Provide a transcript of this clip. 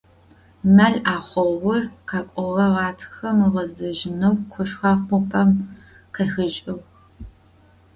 Мэл ӏэхъогъур къэкӏорэ гъатхэм ыгъэзэжьынэу къушъхьэ хъупӏэм къехыжьыгъ.